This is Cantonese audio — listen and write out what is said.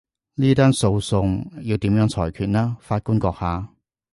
呢單訴訟要點樣裁決呢，法官閣下？